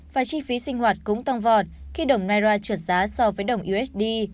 và chi phí sinh hoạt cũng tăng vọt khi đồng naira trượt giá so với đồng usd